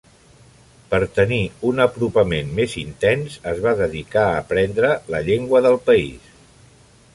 Per tenir un apropament més intens es va dedicar a aprendre la llengua del país.